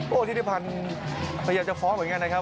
ธิริพันธ์พยายามจะฟ้องเหมือนกันนะครับ